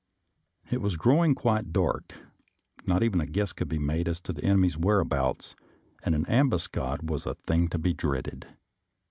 It was growing quite dark, not even a guess could be made as to the enemy's whereabouts, and an ambuscade was a thing to be dreaded.